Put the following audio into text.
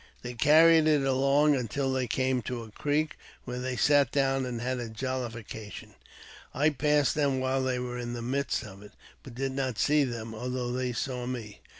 They carried it along until they came to a creek, where they sat down and had a jollification. I passed them while they were in the midst of it, but did not see them, although they saw me.